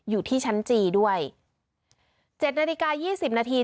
อยู่ที่ชั้นจีด้วยเจ็ดนาฬิกายี่สิบนาที